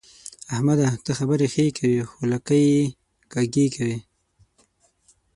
احمده! ته خبرې ښې کوې خو لکۍ يې کږې کوي.